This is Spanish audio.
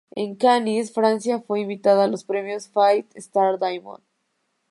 En Cannes, Francia fue invitada a los premios "Five Star Diamond".